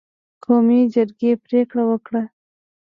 قومي جرګې پرېکړه وکړه